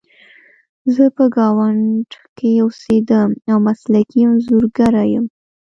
زه په ګاونډ کې اوسیدم او مسلکي انځورګره یم